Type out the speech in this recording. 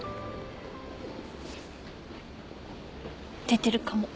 出てるかも。